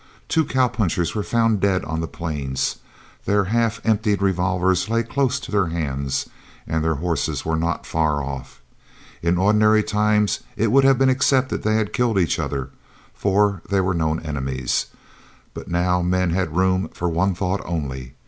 Two cowpunchers were found dead on the plains. Their half emptied revolvers lay close to their hands, and their horses were not far off. In ordinary times it would have been accepted that they had killed each other, for they were known enemies, but now men had room for one thought only.